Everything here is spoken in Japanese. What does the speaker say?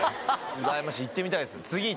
うらやましい行ってみたいです